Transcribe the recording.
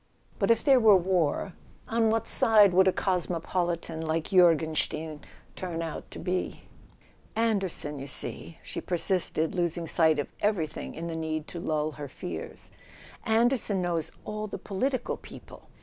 But, if there were war, on what side would a cosmo¬ politan like Jorgenstein turn out to be ? "Anderson, you see," she persisted, losing sight of [ 21 ] A SON AT THE FRONT everything in the need to lull her fears, "Anderson knows all the political people.